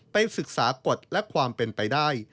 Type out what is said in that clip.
ไปศึกษากฎและความเป็นไปได้